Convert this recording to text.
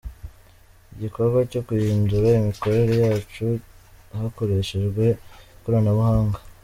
Igikorwa cyo guhindura imikorere yacu hakoreshejwe ikoranabuhanga.